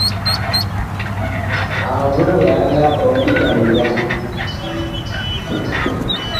Ag voo liala ɔɔ mut a mindaŋ.